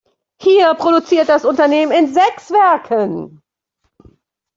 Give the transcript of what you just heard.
Hier produziert das Unternehmen in sechs Werken.